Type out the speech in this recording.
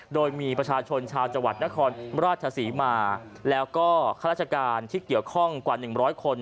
โดยมีประชาชนชาวจวัดนครราชศาสีมาแล้วก็คลาชการที่เกี่ยวข้องกว่าหนึ่งร้อยคน